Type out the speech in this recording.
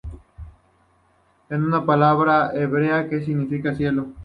En una palabra hebrea que significa "Cielo".